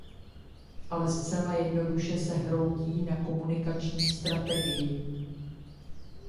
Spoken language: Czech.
Ale zcela jednoduše se hroutí na komunikační strategii.